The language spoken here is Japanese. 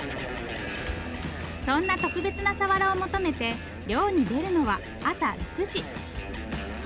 そんな特別なサワラを求めて漁に出るのは朝６時。